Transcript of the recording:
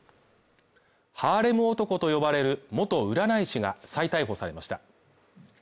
ハーレム男と呼ばれる元占い師が再逮捕されました。